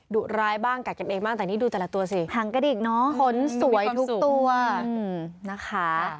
ดูร้ายบ้างกับกันบ้างแต่นี่ดูแต่ละตัวสิขนสวยทุกตัวนะคะ